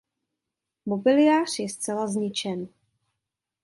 Mobiliář je zcela zničen.